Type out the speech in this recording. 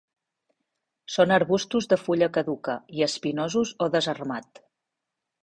Són arbustos de fulla caduca i espinosos o desarmat.